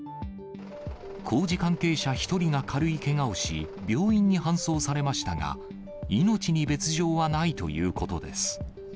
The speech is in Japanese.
工事関係者１人が軽いけがをし、病院に搬送されましたが、命に別状はないということです。